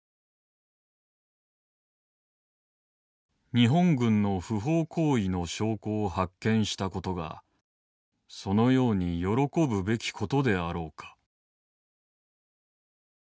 「日本軍の不法行為の証拠を発見したことがそのように喜ぶべきことであろうか」。